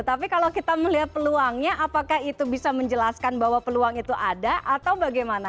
tapi kalau kita melihat peluangnya apakah itu bisa menjelaskan bahwa peluang itu ada atau bagaimana